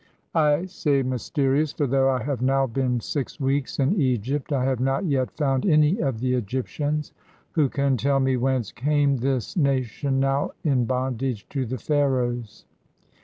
I say "mysterious," for though I have now been six weeks in Egypt I have not yet found any of the Egyp tians who can tell me whence came this nation, now in bondage to the Pharaohs!